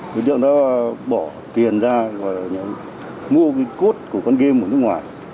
đối tượng đã bỏ tiền ra và mua cái cốt của con game ở nước ngoài